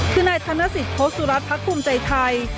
คือนายธนสิทธิ์โฮสุรัสตร์พรรคภูมิใจไทย